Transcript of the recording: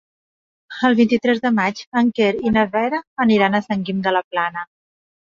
El vint-i-tres de maig en Quer i na Vera aniran a Sant Guim de la Plana.